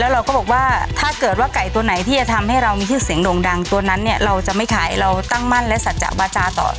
เราก็บอกว่าถ้าเกิดว่าไก่ตัวไหนที่จะทำให้เรามีชื่อเสียงโด่งดังตัวนั้นเนี่ยเราจะไม่ขายเราตั้งมั่นและสัจจะบาจาต่อ